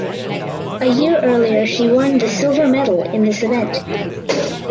A year earlier she won the silver medal in this event.